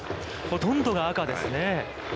ほとんどが赤ですね。